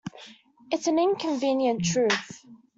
It's an inconvenient truth.